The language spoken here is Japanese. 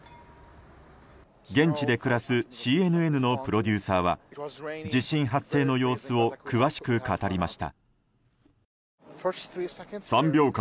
現地で暮らすＣＮＮのプロデューサーは地震発生の様子を詳しく語りました。